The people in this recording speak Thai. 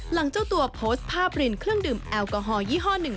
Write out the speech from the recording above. เจ้าตัวโพสต์ภาพรินเครื่องดื่มแอลกอฮอลยี่ห้อหนึ่ง